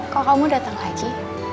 kok kamu dateng lagi